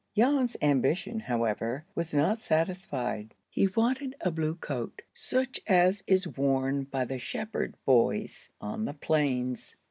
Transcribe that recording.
Jan's ambition, however, was not satisfied. He wanted a blue coat, such as is worn by the shepherd boys on the plains.